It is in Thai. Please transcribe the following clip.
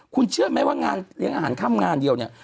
คุณเชื่อไหมว่างานเลี้ยงอาหารค่ำงานเดียวเนี่ย